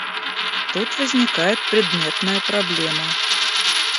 Тут возникает предметная проблема.